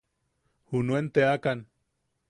Junuen teakan.